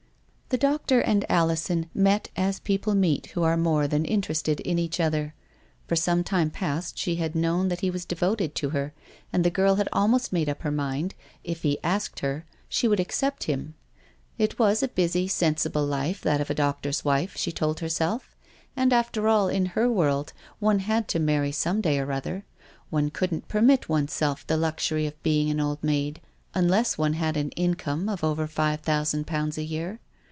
The doctor and Alison met as people meet who are more than interested in each other. For some time past she had known that he was devoted to her, and the girl had almost made up her mind, if he asked her, she would accept him. It was a busy, sensible life, that of a doctor's wife, she told herself ; and, after all, in her world, one had to marry some day or other. One couldn't permit one's self the luxury of being an old maid, unless one had an income of over five thousand pounds a year.